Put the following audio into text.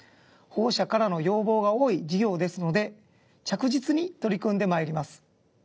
保護者からの要望が多い事業ですので着実に取り組んでまいります。